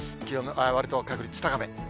わりと確率高め。